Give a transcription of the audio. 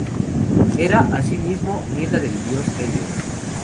Era, asimismo, nieta del dios Helios.